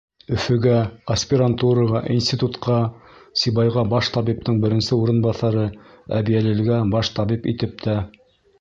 Өфөгә — аспирантураға, институтҡа, Сибайға баш табиптың беренсе урынбаҫары, Әбйәлилгә баш табип итеп тә...